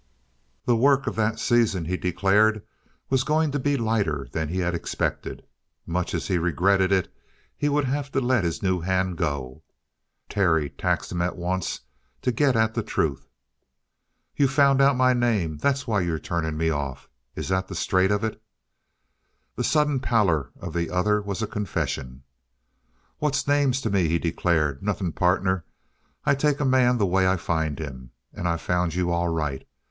The work of that season, he declared, was going to be lighter than he had expected. Much as he regretted it, he would have to let his new hand go. Terry taxed him at once to get at the truth. "You've found out my name. That's why you're turning me off. Is that the straight of it?" The sudden pallor of the other was a confession. "What's names to me?" he declared. "Nothing, partner. I take a man the way I find him. And I've found you all right.